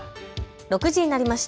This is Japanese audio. ６時になりました。